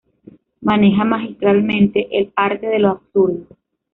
Maneja magistralmente el arte de lo absurdo.